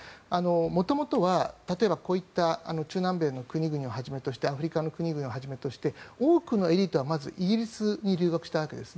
元々は例えば、こういった中南米の国々をはじめとしてアフリカの国々をはじめとして多くのエリートはまずイギリスに留学したわけです。